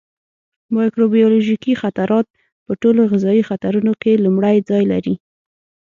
مایکروبیولوژیکي خطرات په ټولو غذایي خطرونو کې لومړی ځای لري.